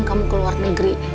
kamu ke luar negeri